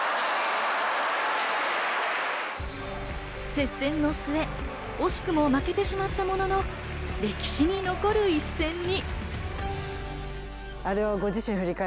接戦の末、惜しくも負けてしまったものの、歴史に残る一戦に。